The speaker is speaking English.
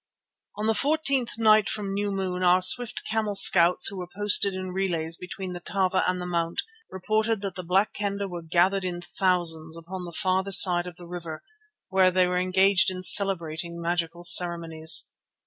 On the fourteenth night from new moon our swift camel scouts who were posted in relays between the Tava and the Mount reported that the Black Kendah were gathered in thousands upon the farther side of the river, where they were engaged in celebrating magical ceremonies.